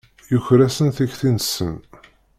Yuker-asen tikti-nsen.